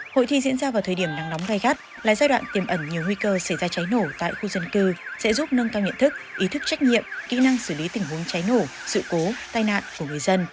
hội thi diễn ra vào thời điểm nắng nóng gai gắt là giai đoạn tiềm ẩn nhiều nguy cơ xảy ra cháy nổ tại khu dân cư sẽ giúp nâng cao nhận thức ý thức trách nhiệm kỹ năng xử lý tình huống cháy nổ sự cố tai nạn của người dân